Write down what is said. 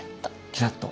キラッと。